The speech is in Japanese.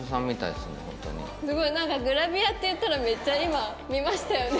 すごいなんかグラビアって言ったらめっちゃ今見ましたよね？